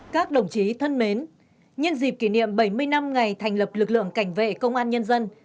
các đồng chí thân mến nhân dịp kỷ niệm bảy mươi năm ngày thành lập lực lượng cảnh vệ công an nhân dân